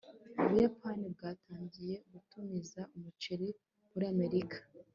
ubuyapani bwatangiye gutumiza umuceri muri amerika